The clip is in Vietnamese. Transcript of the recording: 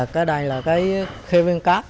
cái đây là cái khê viên cát